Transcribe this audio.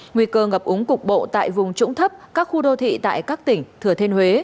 nguy cơ ngập úng cục bộ tại vùng trũng thấp các khu đô thị tại các tỉnh thừa thiên huế